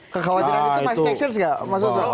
kekhawatiran itu maisteksir gak